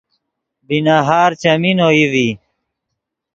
بی نہار چیمین اوئی ڤی